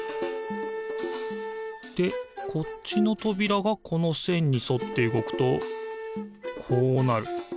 でこっちのとびらがこのせんにそってうごくとこうなる。